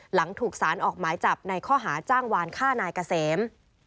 หลังถูกสารออกหมายจับในข้อหาจ้างวานฆ่านายเกษม